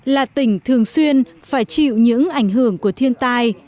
là tỉnh thường xuyên phải chịu những ảnh hưởng của thiên tai